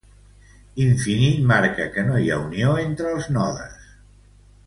Infinit marca que no hi ha unió entre els nodes.